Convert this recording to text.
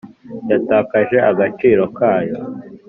yatakaje agaciro kayo.